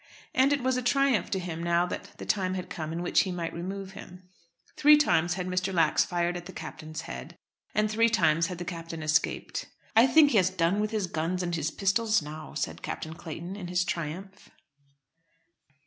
And it was a triumph to him now that the time had come in which he might remove him. Three times had Mr. Lax fired at the Captain's head, and three times had the Captain escaped. "I think he has done with his guns and his pistols now," said Captain Clayton, in his triumph.